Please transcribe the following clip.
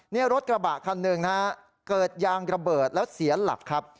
นี่รถกระบะคันหนึ่งนะฮะเกิดยางระเบิดแล้วเสียหลักครับ